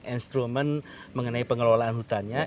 instrumen mengenai pengelolaan hutannya